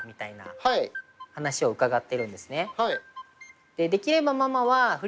はい。